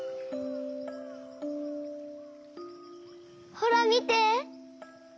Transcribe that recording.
ほらみて！